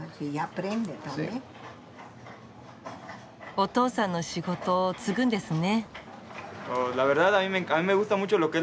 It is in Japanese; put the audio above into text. お父さんの仕事を継ぐんですね。